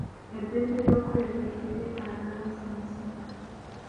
Eddembe ly'okweyogerera teryetaaga layisinsi.